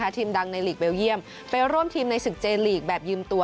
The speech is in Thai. ทีมดังในหลีกเบลเยี่ยมไปร่วมทีมในศึกเจลีกแบบยืมตัว